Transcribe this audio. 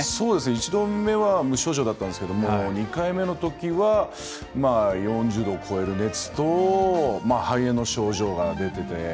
１度目は無症状だったんですけども２回目のときは、４０度を超える熱と肺炎の症状が出てて。